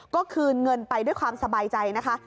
ก็คืนเงินไปด้วยความสบายใจนะคะ